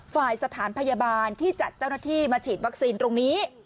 ฝ่ายสถานพยาบาลที่จัดเจ้าหน้าที่มาฉีดวัคซีนตรงนี้